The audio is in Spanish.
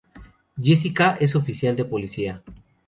Jessica es oficial de policía.